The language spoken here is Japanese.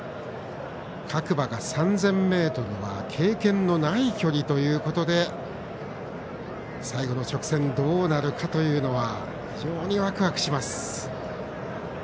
各馬が３０００ｍは経験のない距離ということで最後の直線どうなるかというのは非常にわくわくします。